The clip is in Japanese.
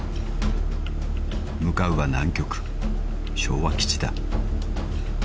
［向かうは南極昭和基地だ］